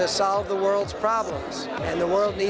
dan untuk menyelesaikan masalah dunia